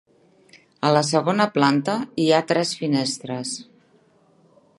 A la segona planta, hi ha tres finestres.